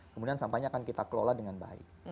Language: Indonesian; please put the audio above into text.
kemudian sampahnya akan kita kelola dengan baik